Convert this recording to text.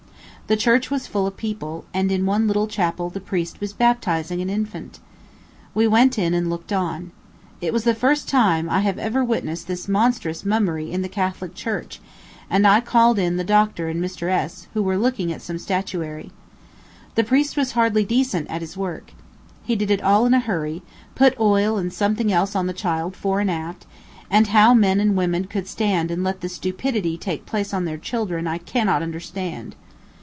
The church was full of people, and in one little chapel the priest was baptizing an infant. We went in and looked on. It was the first time I had ever witnessed this monstrous mummery in the Catholic church; and I called in the Dr. and Mr. S., who were looking at some statuary. The priest was hardly decent at his work. He did it all in a hurry, put oil and something else on the child, fore and aft, and how men and women could stand and let the stupidity take place on their children, I cannot understand.